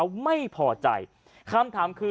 ชาวบ้านญาติโปรดแค้นไปดูภาพบรรยากาศขณะ